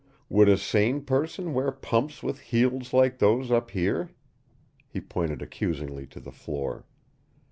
Would a sane person wear pumps with heels like those up here?" He pointed accusingly to the floor.